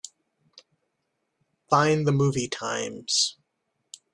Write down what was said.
Find the movie times.